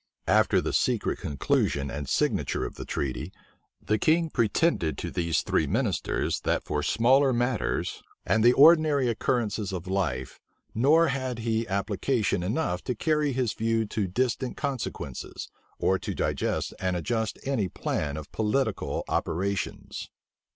After the secret conclusion and signature of the treaty, the king pretended to these three ministers that for smaller matters,[*] and the ordinary occurrences of life nor had he application enough to carry his view to distant consequences, or to digest and adjust any plan of political operations. * Duke of Buckingham's character of King Charles II.